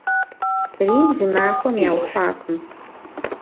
Рим зы махуэм яухуакъым.